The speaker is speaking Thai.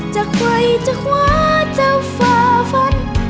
จะไกลจะขวาจะฝ่าฝัน